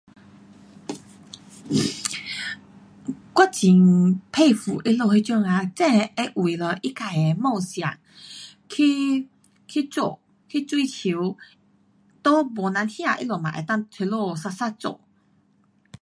我很佩服他们那种啊真的会为了自己的梦想去，去做，去追求，都没人听他们能够那里一直做。